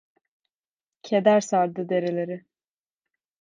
Keder sardı dereleri.